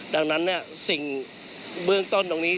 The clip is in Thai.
ดังนั้นสิ่งเบื้องต้นตรงนี้